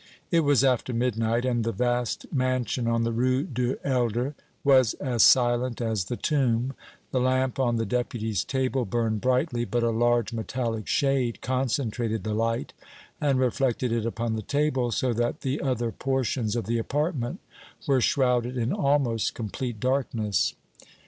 It was after midnight, and the vast mansion on the Rue du Helder was as silent as the tomb; the lamp on the Deputy's table burned brightly, but a large metallic shade concentrated the light and reflected it upon the table, so that the other portions of the apartment were shrouded in almost complete darkness.